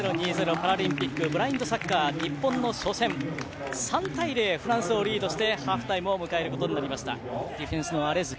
パラリンピックブラインドサッカー日本の初戦３対０、フランスをリードしてハーフタイム。